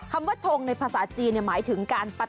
คำว่าชงในภาษาจีนหมายถึงการปฏิ